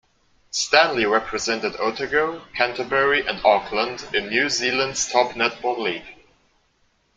Stanley represented Otago, Canterbury and Auckland in New Zealand's top netball league.